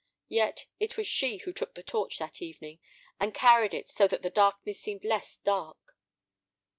Yet it was she who took the torch that evening, and carried it so that the darkness seemed less dark.